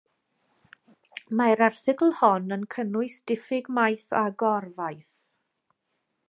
Mae'r erthygl hon yn cynnwys diffyg maeth a gor faeth.